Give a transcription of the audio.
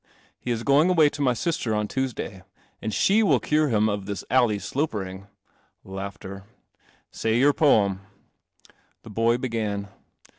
1 (e is going awaj tom\ sister on Tuesday, and she will cure him of this alley sloperin "Say P em." The bo\ began.